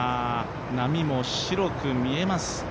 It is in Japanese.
波も白く見えます。